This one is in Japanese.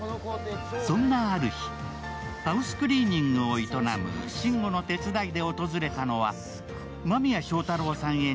そんなある日ハウスクリーニングを営む慎吾の手伝いで訪れたのは間宮祥太朗さん